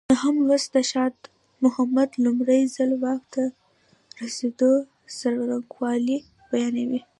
نهم لوست د شاه محمود لومړی ځل واک ته رسېدو څرنګوالی بیانوي.